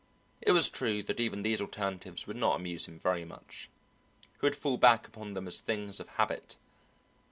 It was true that even these alternatives would not amuse him very much he would fall back upon them as things of habit.